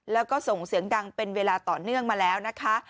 แล้วก็ส่งเสียงดังเป็นเวลาต่อเนื่องมาแล้วนะคะ